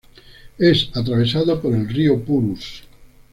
Es atravesado por el río Purus.